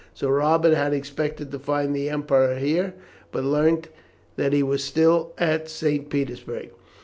Sir Robert had expected to find the Emperor here, but learnt that he was still at St. Petersburg.